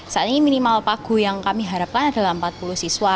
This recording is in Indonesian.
saat ini minimal pagu yang kami harapkan adalah empat puluh siswa